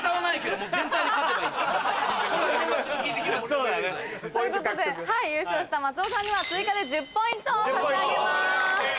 そうだね。ということで優勝した松尾さんには追加で１０ポイントを差し上げます。